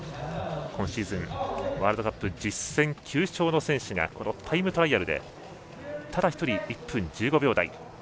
今シーズン、ールドカップ１０戦９勝の選手がこのタイムトライアルでただ１人、１分１５秒台。